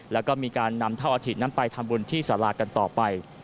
แล้วก็มีการนำเท่าอาทิตนั้นไปทำบุญที่สารากันต่อไป